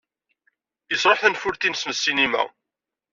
Yesṛuḥ tanfult-nnes n ssinima.